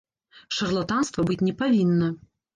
Шарлатанства быць не павінна.